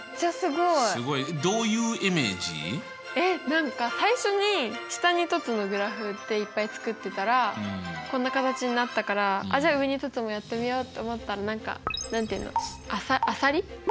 何か最初に下に凸のグラフでいっぱい作ってたらこんな形になったからじゃあ上に凸もやってみようって思ったら何か何て言うのあさり？